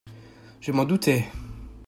—«Je m’en doutais.